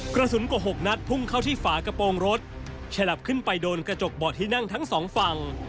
กระสุนกว่า๖นัดพุ่งเข้าที่ฝากระโปรงรถฉลับขึ้นไปโดนกระจกเบาะที่นั่งทั้งสองฝั่ง